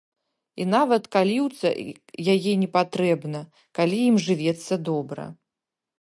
І нават каліўца яе не патрэбна, калі ім жывецца добра.